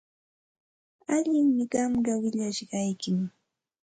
Allinmi kanqa willashqaykim.